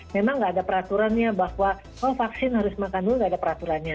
memang nggak ada peraturannya bahwa oh vaksin harus makan dulu nggak ada peraturannya